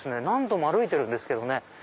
何度も歩いてるんですけどね